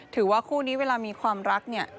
ถือว่าคู่นี้เวลามีความรักเนี่ย